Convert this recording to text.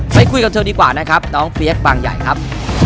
ไปคุยกับเธอดีกว่านะครับน้องเฟียสบางใหญ่ครับ